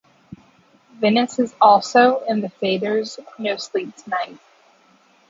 Venice is also in The Faders' "No Sleep Tonight".